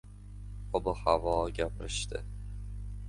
Ob-havoii gapirishdi.